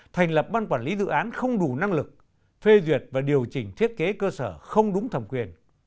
thành lập ban quản lý dự án không đủ năng lực phê duyệt và điều chỉnh thiết kế cơ sở không đúng thẩm quyền